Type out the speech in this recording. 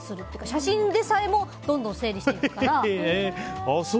写真でさえもどんどん整理していくから。